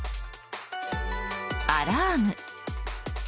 アラーム。